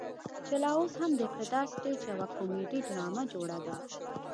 چې لا اوس هم د اقتدار سټيج يوه کميډي ډرامه جوړه ده.